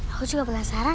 aku juga penasaran